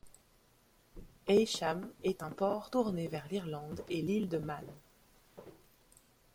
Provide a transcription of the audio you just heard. Heysham est un port tourné vers l'Irlande et l'île de Man.